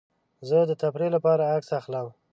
زه د تفریح لپاره عکس اخلم.